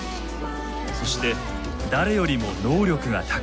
そして誰よりも能力が高い。